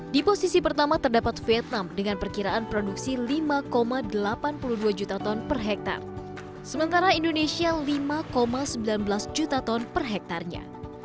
di posisi pertama terdapat vietnam dengan perkiraan produksi lima delapan puluh dua juta ton per hektare sementara indonesia lima sembilan belas juta ton per hektarnya